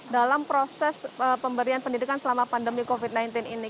dalam proses pemberian pendidikan selama pandemi covid sembilan belas ini